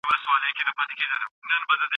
پلار د خپلو بچیانو زده کړې ته ارزښت ورکوي.